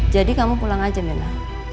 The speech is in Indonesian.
jadi kamu pulang aja nella